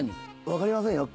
分かりませんよ